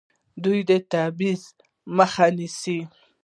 دوی د تبعیض مخه نیسي.